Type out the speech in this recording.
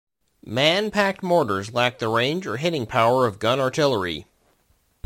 Man-packed mortars lack the range or hitting power of gun-artillery.